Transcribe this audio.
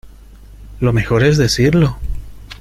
lo mejor es decirlo.